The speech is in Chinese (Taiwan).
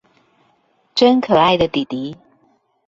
真可愛的底迪